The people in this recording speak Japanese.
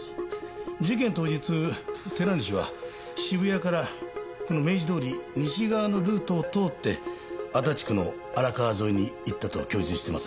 事件当日寺西は渋谷からこの明治通り西側のルートを通って足立区の荒川沿いに行ったと供述してますね。